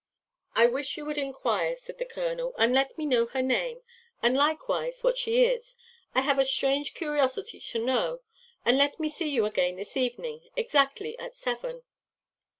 "I wish you would enquire," said the colonel, "and let me know her name, and likewise what she is: I have a strange curiosity to know, and let me see you again this evening exactly at seven."